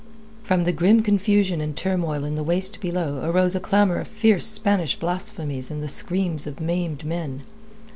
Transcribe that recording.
From the grim confusion and turmoil in the waist below arose a clamour of fierce Spanish blasphemies and the screams of maimed men.